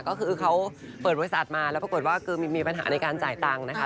ก็คือเขาเปิดบริษัทมาแล้วปรากฏว่าคือมีปัญหาในการจ่ายตังค์นะคะ